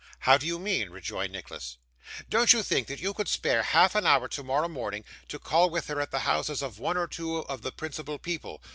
'How do you mean?' rejoined Nicholas. 'Don't you think you could spare half an hour tomorrow morning, to call with her at the houses of one or two of the principal people?